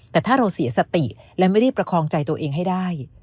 แต่ถ้าเราเสียสติและไม่ได้ประคองใจตัวเองให้ได้